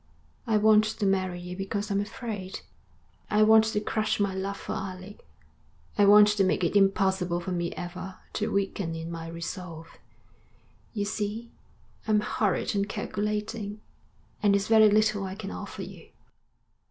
I want to marry you because I'm afraid. I want to crush my love for Alec. I want to make it impossible for me ever to weaken in my resolve. You see, I'm horrid and calculating, and it's very little I can offer you.'